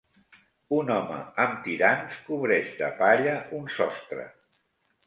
Un home amb tirants cobreix de palla un sostre.